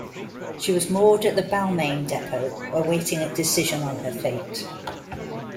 She was moored at the Balmain depot, awaiting a decision on her fate.